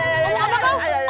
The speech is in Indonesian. sudah cepat jalan